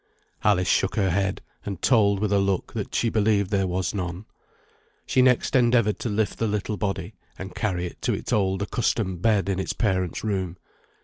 Alice shook her head, and told with a look that she believed there was none. She next endeavoured to lift the little body, and carry it to its old accustomed bed in its parents' room.